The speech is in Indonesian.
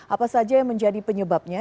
apa saja yang menjadi penyebabnya